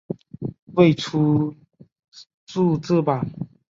未出数字版。